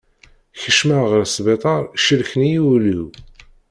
Kecmeɣ ɣer sbitaṛ celḥen-iyi ul-iw.